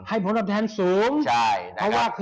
ผลตอบแทนสูง